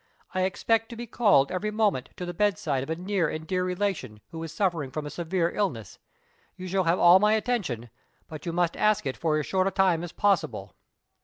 I expect to be called every moment to the bedside of a near and dear relation, who is suffering from severe illness. You shall have all my attention; but you must ask it for as short a time as possible."